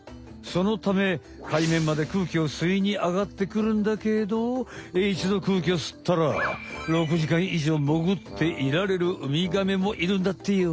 そのため海面までくうきをすいにあがってくるんだけどいちどくうきをすったら６時間以上潜っていられるウミガメもいるんだってよ。